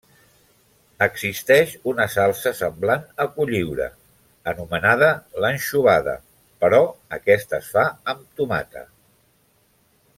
Existeix una salsa semblant a Cotlliure anomenada l'anxovada però aquesta es fa amb tomata.